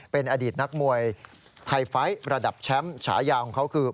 เป็นอดีตนักมวยไทยไฟท์ระดับแชมป์ฉายาของเขาคือ